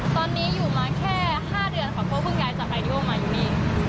ตอนนี้อยู่มาแค่ห้าเดือนของพ่อพึ่งย้ายจากไอเดีโอมาอยู่นี่